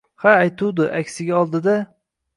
Ha, aytuvdi, aksiga olidida.